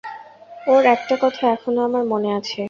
ওর একটা কথা এখনো আমার মনে আছে।